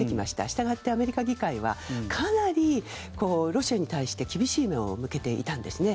したがってアメリカ議会はかなりロシアに対して厳しい目を向けていたんですね。